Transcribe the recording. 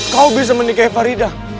kau bisa menikahi farida